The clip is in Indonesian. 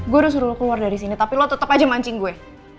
gue udah suruh lo keluar dari sini tapi lo tetap aja mancing gue